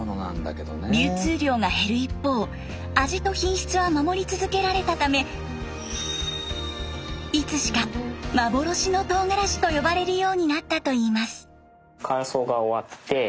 流通量が減る一方味と品質は守り続けられたためいつしか幻のとうがらしと呼ばれるようになったといいます。